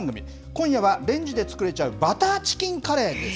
今夜は、レンジで作れちゃうバターチキンカレーです。